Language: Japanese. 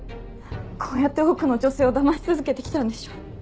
こうやって多くの女性をだまし続けて来たんでしょう。